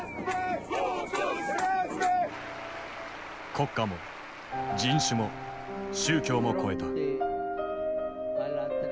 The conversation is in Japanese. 国家も人種も宗教も超えた。